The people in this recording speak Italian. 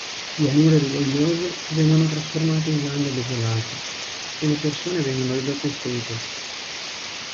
Pianure rigogliose vengono trasformate il lande desolate, e le persone vengono ridotte in schiavitù.